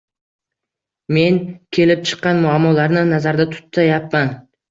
Men kelib chiqqan muammolarni nazarda tutayapman.